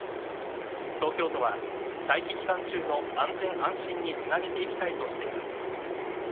東京都は待機期間中の安全・安心につなげていきたいとしています。